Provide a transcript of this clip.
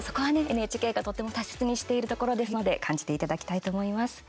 ＮＨＫがとても大切にしているところですので感じていただきたいと思います。